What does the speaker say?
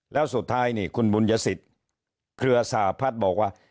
แล้วสุดท้ายนี่คุณบุญยสิทธิ์เครือสหพัฒน์บอกว่า